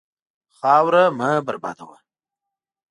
خاوره مه بربادوه.